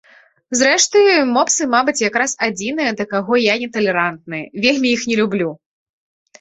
Зрэшты, мопсы, мабыць, якраз адзіныя, да каго я не талерантны, вельмі іх не люблю.